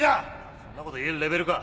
そんなこと言えるレベルか！？